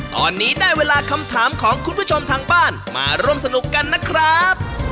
ตอนนี้ได้เวลาคำถามของคุณผู้ชมทางบ้านมาร่วมสนุกกันนะครับ